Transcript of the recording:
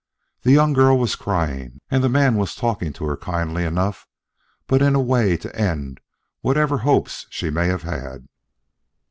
The young girl was crying, and the man was talking to her kindly enough but in a way to end whatever hopes she may have had.